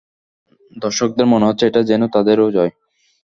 দর্শকদের মনে হচ্ছে এটা যেনো তাদেরও জয়!